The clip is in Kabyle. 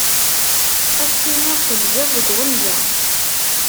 Ad s-tiniḍ telbiḍ deg uɣenǧa.